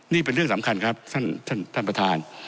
นี่เป็นเรื่องสำคัญครับท่านประธาน